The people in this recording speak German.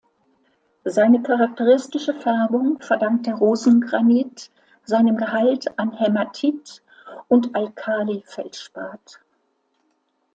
Seine charakteristische Färbung verdankt der Rosengranit seinem Gehalt an Hämatit und Alkalifeldspat.